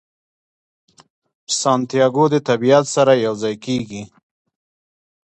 سانتیاګو د طبیعت سره یو ځای کیږي.